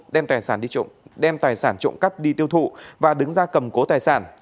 đem tài sản trộm cắp đi tiêu thụ và đứng ra cầm cố tài sản